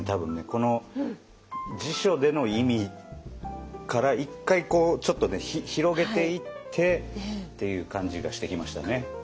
この辞書での意味から一回ちょっと広げていってっていう感じがしてきましたね。